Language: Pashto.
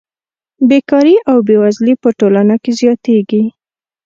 بېکاري او بېوزلي په ټولنه کې زیاتېږي